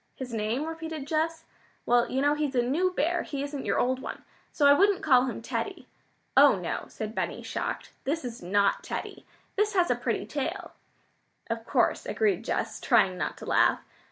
"His name?" repeated Jess. "Well, you know he's a new bear; he isn't your old one, so I wouldn't call him Teddy." "Oh, no," said Benny, shocked. "This is not Teddy. This has a pretty tail." "Of course," agreed Jess, trying not to laugh.